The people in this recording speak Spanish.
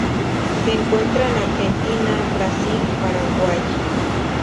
Se encuentra en Argentina, Brasil, Paraguay.